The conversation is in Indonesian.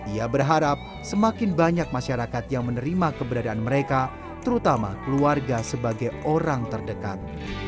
ia berharap semakin banyak masyarakat yang menerima keberadaan mereka terutama keluarga sebagai orang terdekat